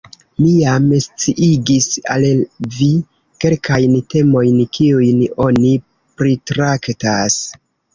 Mi jam sciigis al vi kelkajn temojn, kiujn oni pritraktas.